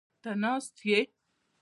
ته ناست یې؟